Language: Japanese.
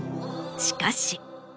しかし。